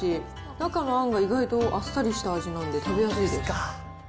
中のあんが意外とあっさりした味なんで、食べやすいです。